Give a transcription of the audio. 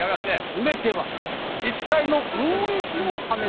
全ては自治会の運営費のためだ。